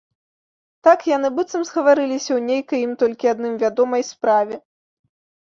Так яны быццам згаварыліся ў нейкай ім толькі адным вядомай справе.